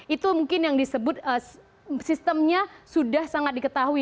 itu mungkin yang disebut sistemnya sudah sangat diketahui